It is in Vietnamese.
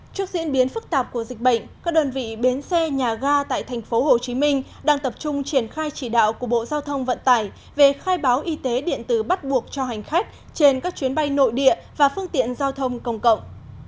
trước diễn biến phức tạp của dịch bệnh các đơn vị bến xe nhà ga tại tp hcm đang tập trung triển khai chỉ đạo của bộ giao thông vận tải về khai báo y tế điện tử bắt buộc cho hành khách trên các chuyến bay nội địa và phương tiện giao thông công cộng